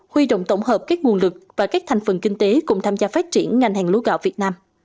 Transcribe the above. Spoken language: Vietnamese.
huy động tổng hợp các nguồn lực và các thành phần kinh tế cùng tham gia phát triển ngành hàng lúa gạo việt nam